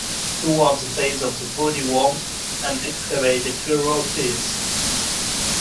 Towards the base of the body whorl an excavated furrow appears.